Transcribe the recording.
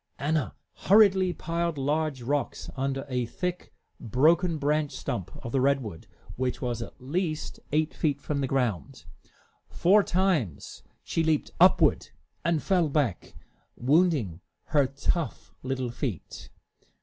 Anna hurriedly piled large rocks under a thick, broken branch stump of the redwood, which was at least eight feet from the ground. Four times she leaped upward and fell back, wounding her tough little feet.